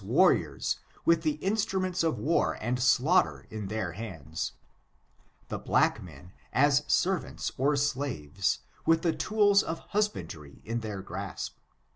The white as waniors, with the instruments of war and slaugh ter in their hands; the black men, as servants or slaves, with the tools of husbandry in their grasp.